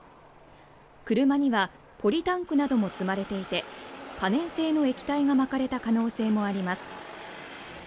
車にはポリタンクなども積まれていて可燃性の液体がまかれた可能性もあります。